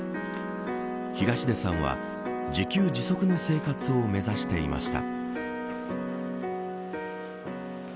東出さんは自給自足の生活を目指していました。